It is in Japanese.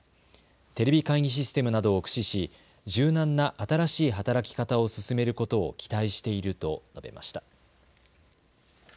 テレビ会議システムなどを駆使し柔軟な新しい働き方を進めることを期待していると述べました。